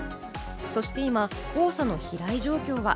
そして今、黄砂の飛来状況は？